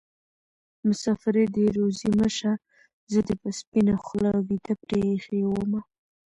مسافري دې روزي مه شه زه دې په سپينه خولې ويده پرې ايښې ومه